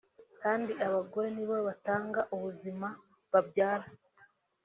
kandi abagore nibo batanga ubuzima (babyara)